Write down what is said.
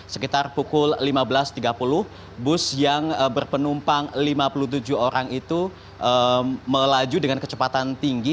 sekitar pukul lima belas tiga puluh bus yang berpenumpang lima puluh tujuh orang itu melaju dengan kecepatan tinggi